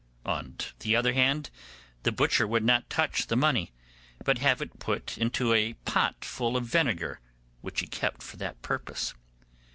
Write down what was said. On the other hand, the butcher would not touch the money, but have it put into a pot full of vinegar, which he kept for that purpose.